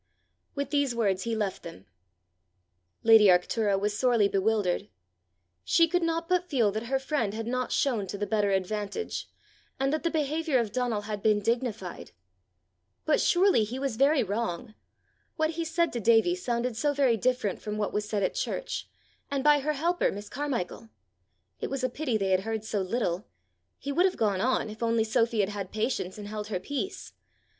With these words he left them. Lady Arctura was sorely bewildered. She could not but feel that her friend had not shown to the better advantage, and that the behaviour of Donal had been dignified. But surely he was very wrong! what he said to Davie sounded so very different from what was said at church, and by her helper, Miss Carmichael! It was a pity they had heard so little! He would have gone on if only Sophy had had patience and held her peace!